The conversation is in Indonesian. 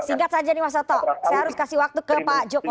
singkat saja nih mas soto saya harus kasih waktu ke pak jokowi